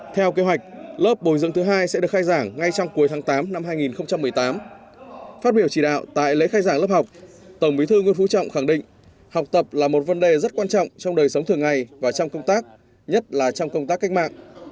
theo kế hoạch lớp bồi dưỡng thứ hai sẽ được khai giảng ngay trong cuối tháng tám năm hai nghìn một mươi tám phát biểu chỉ đạo tại lễ khai giảng lớp học tổng bí thư nguyễn phú trọng khẳng định học tập là một vấn đề rất quan trọng trong đời sống thường ngày và trong công tác nhất là trong công tác cách mạng